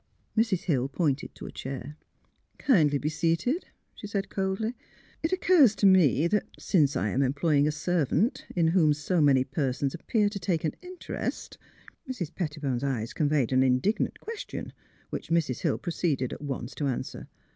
Mrs. Hill pointed to a chair. *' Kindly be seated," she said, coldly. *' It occurs to me that since I am employing a servant in whom so many persons appear to take an interest " Mrs. Pettibone 's eyes conveyed an indignant question, which Mrs. Hill proceeded at once to answer.